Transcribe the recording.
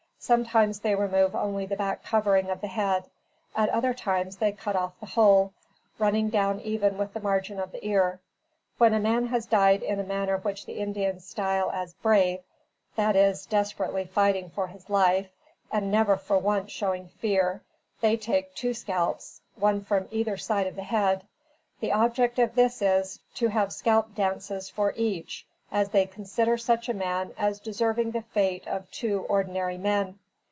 Sometimes they remove only the back covering of the head. At other times they cut off the whole, running down even with the margin of the ear. When a man has died in a manner which the Indians style as "brave" that is, desperately fighting for his life, and never for once showing fear, they take two scalps, one from either side of the head. The object of this is, to have scalp dances for each, as they consider such a man as deserving the fate of two ordinary men.